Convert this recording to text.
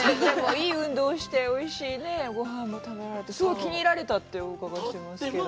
いい運動して、おいしいごはんも食べられて、すごい気に入られたってお伺いしましたけど。